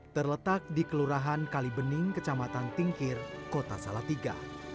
terletak di kelurahan kalibening kecamatan tingkir kota salatiga